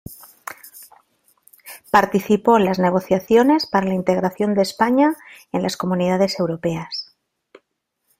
Participó en las negociaciones para la integración de España en las Comunidades Europeas.